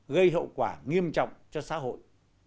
gây hậu quả nghiêm trọng cho xã hội